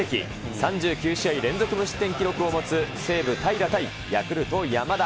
３９試合連続無失点記録を持つ西武、平良対ヤクルト、山田。